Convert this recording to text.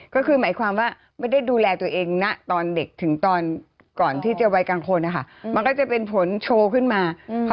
ก็คือหมายความว่าไม่ได้ดูแลตัวเองนะตอนเด็กถึงตอนก่อนที่จะวัยกลางคนนะคะมันก็จะเป็นผลโชว์ขึ้นมา